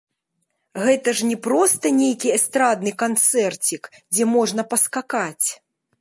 Гэта ж не проста нейкі эстрадны канцэрцік, дзе можна паскакаць!